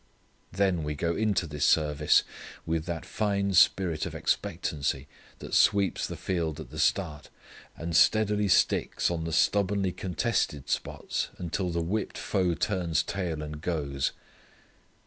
Then we go into this service with that fine spirit of expectancy that sweeps the field at the start, and steadily sticks on the stubbornly contested spots until the whipped foe turns tail, and goes.